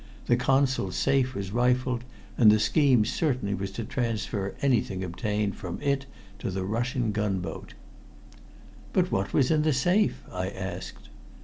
The Consul's safe was rifled, and the scheme certainly was to transfer anything obtained from it to the Russian gunboat." "But what was in the safe?" I asked.